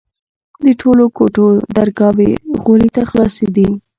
د ټولو کوټو درگاوې غولي ته خلاصېدې.